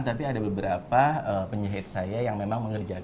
tapi ada beberapa penyihir saya yang memang mengerjakan ya